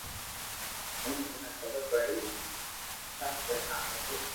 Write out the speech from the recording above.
ھين اوني خبر پڙئي ئسآ ھمج نہ آوئ تو